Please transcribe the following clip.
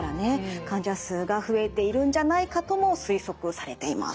患者数が増えているんじゃないかとも推測されています。